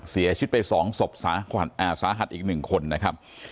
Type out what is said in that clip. เสียชีวิตไปสองศพสาหัสอีกหนึ่งคนนะครับ